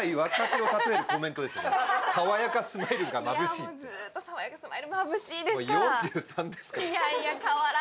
いや、もうずーっと爽やかスマイル、まぶしいですから。